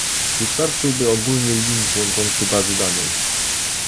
Wystarczyłby ogólny link łączący bazy danych